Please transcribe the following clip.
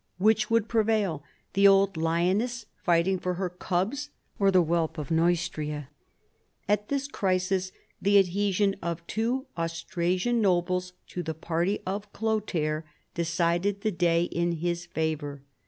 Which would prevail, the old lioness fighting for her cubs or the whelp of Neustria ? At this crisis the ad hesion of two Austrasian nobles to the party of Chlothair decided the day in his favor.